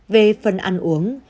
về phần ăn uống